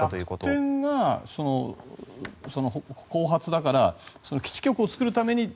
楽天が後発だから基地局を作るために。